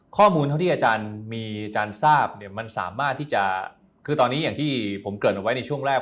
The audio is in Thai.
ข้อมูลเท่าที่อาจารย์มีอาจารย์ทราบเนี่ยมันสามารถที่จะคือตอนนี้อย่างที่ผมเกิดเอาไว้ในช่วงแรก